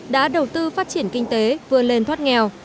đã đầu tư phát triển kinh tế vươn lên thoát nghèo